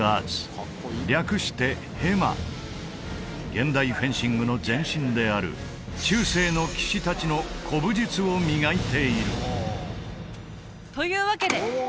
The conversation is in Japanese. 現代フェンシングの前身である中世の騎士達の古武術を磨いているというわけで！